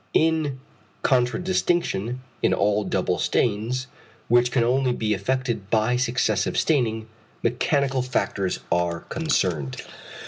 In contradistinction, in all double stains, which can only be effected by successive staining, mechanical factors are concerned.